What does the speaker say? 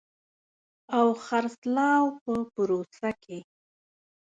او خرڅلاو په پروسه کې